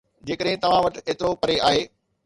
جيڪڏهن توهان وٽ ايترو پري آهي